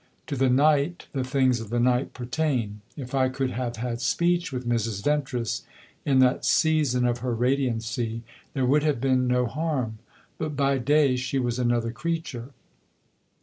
To the night the things of the night pertain. If I could have had speech with Mrs. Ventris in that season of her radiancy there would have been no harm; but by day she was another creature.